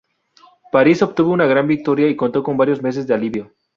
París obtuvo una gran victoria y contó con varios meses de alivio.